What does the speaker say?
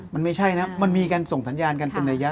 มันไม่ใช่นะมันมีการส่งสัญญาณกันเป็นระยะ